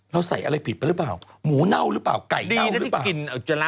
ใส่อะไรผิดไปหรือเปล่าหมูเน่าหรือเปล่าไก่เน่าหรือเปล่า